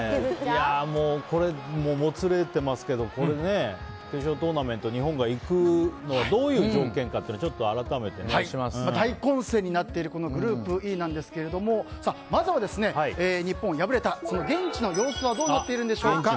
もう、もつれてますけど決勝トーナメント日本が行くのはどういう条件かというのを大混戦になっているグループＥなんですけれどもまずは日本が敗れたその現地の様子はどうなっているんでしょうか。